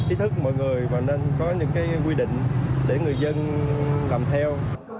ý thức mọi người mà nên có những cái quy định để người dân làm theo